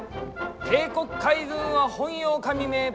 帝国海軍は本８日未明